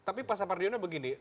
oke tapi pak sapardiono begitu saja